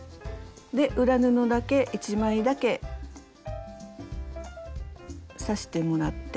で裏布だけ１枚だけ刺してもらって。